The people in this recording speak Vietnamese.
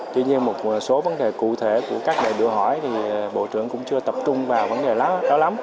tuy nhiên một số vấn đề cụ thể của các đại biểu hỏi thì bộ trưởng cũng chưa tập trung vào vấn đề lắm đó lắm